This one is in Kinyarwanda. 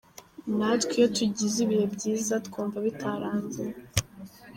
Natwe iyo tugize ibihe byiza twumva bitarangira.